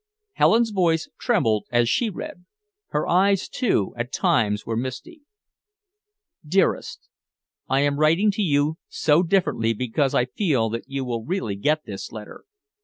Helen's voice trembled as she read. Her eyes, too, at times were misty: DEAREST, I am writing to you so differently because I feel that you will really get this letter.